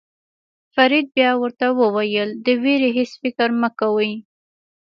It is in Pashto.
فرید بیا ورته وویل د وېرې هېڅ فکر مه کوئ.